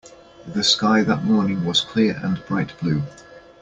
The sky that morning was clear and bright blue.